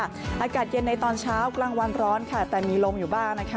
อากาศเย็นในตอนเช้ากลางวันร้อนค่ะแต่มีลมอยู่บ้างนะคะ